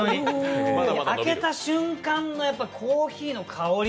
開けた瞬間のコーヒーの香り。